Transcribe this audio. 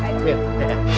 selamat tidur ratu meriku